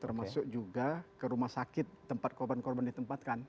termasuk juga ke rumah sakit tempat korban korban ditempatkan